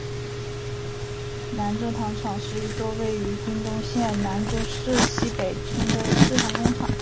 南州糖厂是一座位于屏东县南州乡溪北村的制糖工厂。